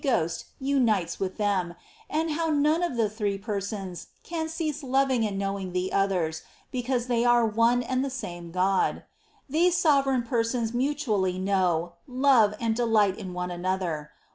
Ghost unites with Them, and how none of the Three Persons can cease loving and knowing the others, because They are one and the same God. These Sovereign Persons mutually know, love, and delight in one another.